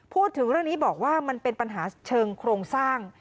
พูดถึงเรื่องนี้บอกว่ามันเป็นปัญหาเชิงโครงสร้าง